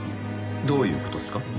どういう事っすか？